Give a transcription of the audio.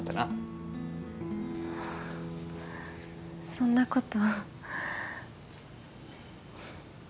そんなこと。